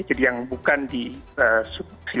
jadi yang bukan di subdukti